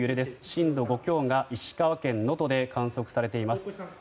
震度５強が石川県能登で観測されています。